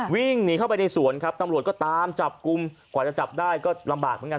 วิ่งหนีเข้าไปในสวนครับตำรวจก็ตามจับกลุ่มกว่าจะจับได้ก็ลำบากเหมือนกัน